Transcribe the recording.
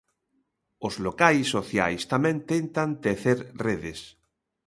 Os locais sociais tamén tentan tecer redes.